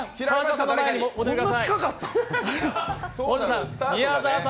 こんな近かったん？